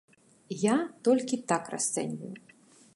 Я толькі так расцэньваю.